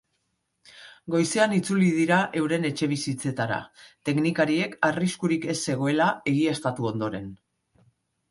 Goizean itzuli dira euren etxebizitzetara, teknikariek arriskurik ez zegoela egiaztatu ondoren.